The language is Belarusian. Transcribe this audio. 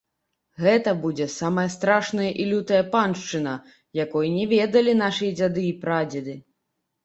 Гэта будзе самая страшная і лютая паншчына, якой не ведалі нашы дзяды і прадзеды.